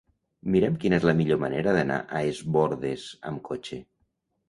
Mira'm quina és la millor manera d'anar a Es Bòrdes amb cotxe.